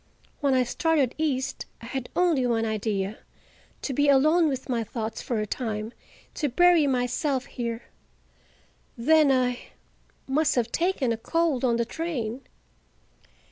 When I started east, I had only one idea—to be alone with my thoughts for a time, to bury myself here. Then, I—must have taken a cold on the train."